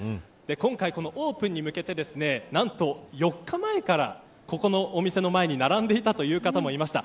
今回オープンに向けて何と４日前から、ここのお店の前に並んでいたという方もいました。